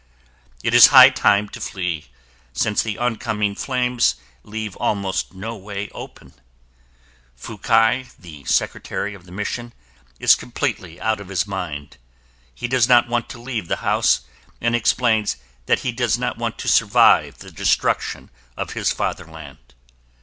It is high time to flee, since the oncoming flames leave almost no way open. Fukai, the secretary of the Mission, is completely out of his mind. He does not want to leave the house and explains that he does not want to survive the destruction of his fatherland.